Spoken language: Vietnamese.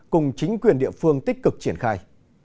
cùng chính quyền địa phương tích cực triển khai